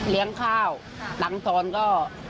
เลี้ยงข้าวดังทอนก็